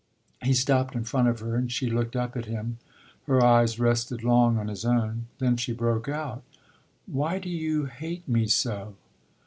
He stopped in front of her and she looked up at him. Her eyes rested long on his own; then she broke out: "Why do you hate me so?"